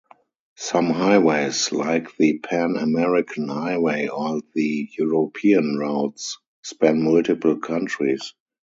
Some highways, like the Pan-American Highway or the European routes, span multiple countries.